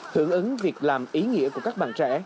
hưởng ứng việc làm ý nghĩa của các bạn trẻ